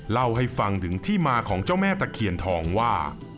เล่าให้ฟังถึงที่มาของเจ้าแม่ตะเคียนทองว่า